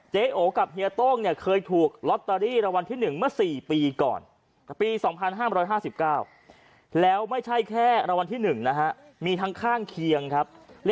เจ๊โอ๊คับเหยียต้งเคยถูกลอตเตอรีราวรรณที่หนึ่งมา๔ปีก่อน